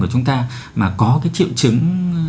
của chúng ta mà có cái triệu chứng